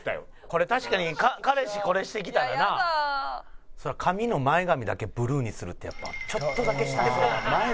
「これ確かに彼氏これしてきたらな」「やだ」髪の前髪だけブルーにするってやっぱちょっとだけシャレたい。